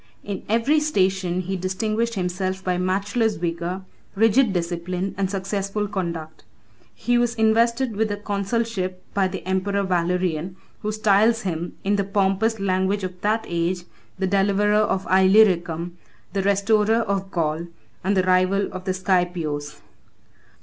In every station he distinguished himself by matchless valor, 17 rigid discipline, and successful conduct. He was invested with the consulship by the emperor Valerian, who styles him, in the pompous language of that age, the deliverer of Illyricum, the restorer of Gaul, and the rival of the Scipios.